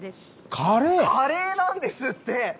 カレーなんですって。